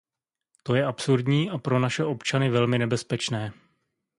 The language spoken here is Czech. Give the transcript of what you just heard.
To je absurdní a pro naše občany velmi nebezpečné.